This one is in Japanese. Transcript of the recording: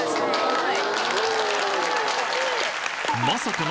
はい。